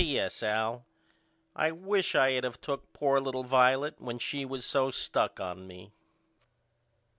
P.S. Al I wish I had of took poor little Violet when she was so stuck on me.